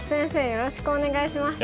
よろしくお願いします。